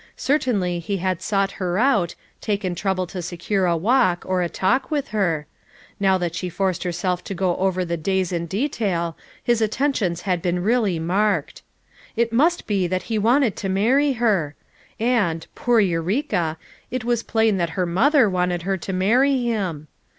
Certainly he had sought her out, taken trouble to secure a walk, or a talk with her; now that she forced herself to go over the days in detail his attentions had FOUR MOTHERS AT CHAUTAUQUA 385 been really marked. It must be that he wanted to marry her! And— poor Eureka— it was plain that her mother wanted her to marry him.